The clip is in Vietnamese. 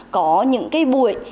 có những cái buổi